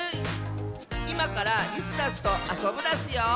いまから「イスダス」とあそぶダスよ！